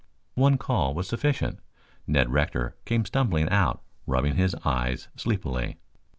One call was sufficient. Ned Rector came stumbling out, rubbing his eyes sleepily.